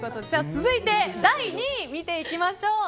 続いて第２位見ていきましょう。